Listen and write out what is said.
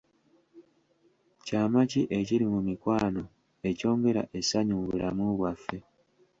Kyama ki ekiri mu mikwano ekyongera essanyu mu bulamu bwaffe?